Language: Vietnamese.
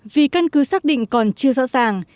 vì căn cứ xác định còn chưa rõ ràng